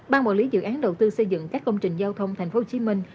ban quản lý dự án đầu tư xây dựng các công trình giao thông thành phố hồ chí minh